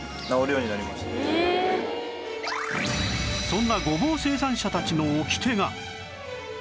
そんなごぼう生産者たちのオキテが